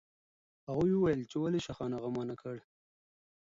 هغوی وویل چې ولې شاهانو غم ونه کړ.